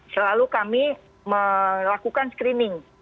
selalu kami melakukan screening